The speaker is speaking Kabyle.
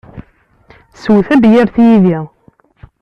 Sew tabyirt yid-i!